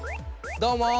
どうも！